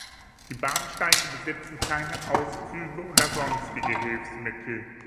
Die Bahnsteige besitzen keine Aufzüge oder sonstige Hilfsmittel.